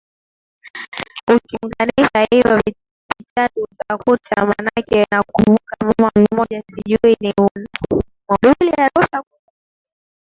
ukiuganisha hivo vitatu utakuta manake nakumbuka mama mmoja sijui ni moduli arusha kule alisema